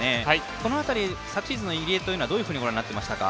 この辺り昨シーズンの入江というのはどういうふうにご覧になってましたか？